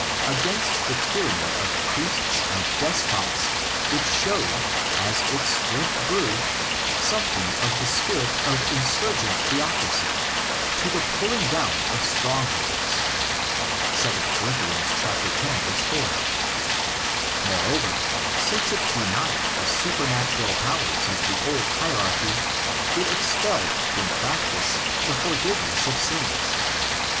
Against the tyranny of priests and despots it showed, as its strength grew, something of the spirit of insurgent theocracy, '' to the pulling down of strongholds" (2 Cor. x. 4). Moreover, since it denied the supernatural powers of the old hierarchy, it expelled in practice the '' forgiveness of sins."